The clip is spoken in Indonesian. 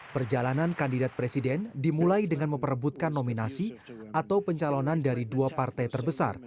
perjalanan kandidat presiden dimulai dengan memperebutkan nominasi atau pencalonan dari dua partai terbesar